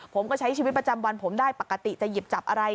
ผมก็ใช้ชีวิตประจำวันผมได้ปกติจะหยิบจับอะไร